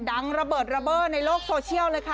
ระเบิดระเบิดในโลกโซเชียลเลยค่ะ